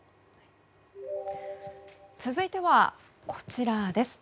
続いては、こちらです。